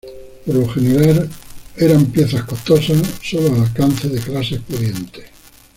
Por lo general eran piezas costosas, solo al alcance de clases pudientes.